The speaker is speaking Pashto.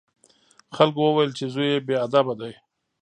خلکو وویل چې زوی یې بې ادبه دی.